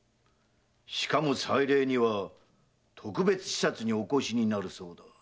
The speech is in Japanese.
しかも祭礼には特別視察にお越しになるそうだ。